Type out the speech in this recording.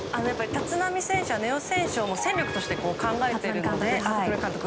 立浪監督は根尾選手を戦力として考えているので。